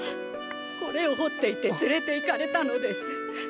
これを彫っていて連れて行かれたのです！